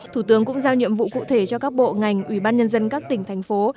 thủ tướng cũng giao nhiệm vụ cụ thể cho các bộ ngành ủy ban nhân dân các tỉnh thành phố